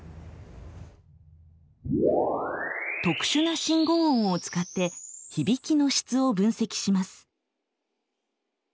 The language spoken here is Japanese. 特殊な信号音を使って響きの質を分析します。